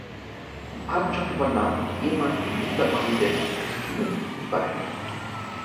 Die Patenschaft übernahm die ehemalige Ministerpräsidentin Christine Lieberknecht.